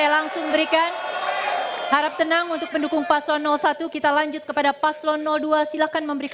langsung saja ke damai bidang analytics gateau profile